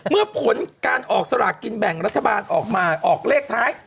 เมื่อผลการออกสลากกินแบ่งรัฐบาลออกมาออกเลขท้าย